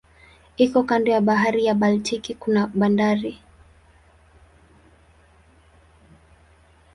Iko kando ya bahari ya Baltiki kuna bandari.